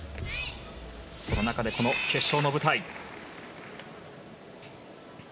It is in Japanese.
その中で、この決勝の舞台。